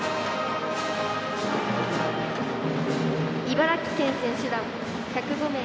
茨城県選手団、１０５名。